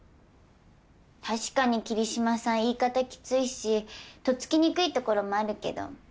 確かに桐島さん言い方きついしとっつきにくいところもあるけど。